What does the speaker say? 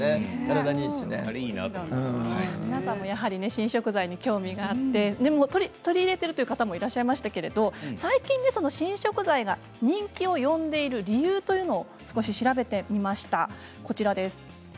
皆さんも新食材に興味があって取り入れているという方もいらっしゃいましたけど最近、新食材が人気を呼んでいる理由というのを少し調べてみました。